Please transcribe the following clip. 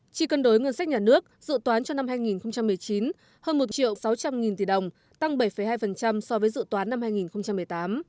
chi cân đối ngân sách nhà nước dự toán cho năm hai nghìn một mươi chín hơn một sáu trăm linh tỷ đồng tăng bảy hai so với dự toán năm hai nghìn một mươi tám